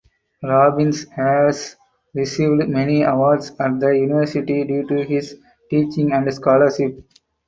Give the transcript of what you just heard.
Robbins has received many awards at the university due to his teaching and scholarship.